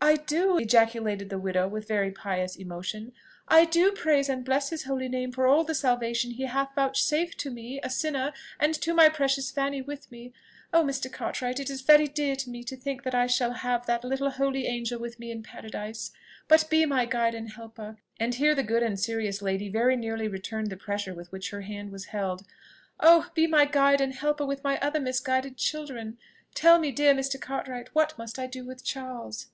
"I do!" ejaculated the widow with very pious emotion; "I do praise and bless his holy name for all the salvation he hath vouchsafed to me, a sinner and to my precious Fanny with me. Oh, Mr. Cartwright, it is very dear to me to think that I shall have that little holy angel with me in paradise! But be my guide and helper" and here the good and serious lady very nearly returned the pressure with which her hand was held, "oh! be my guide and helper with my other misguided children! Tell me, dear Mr. Cartwright, what must I do with Charles?"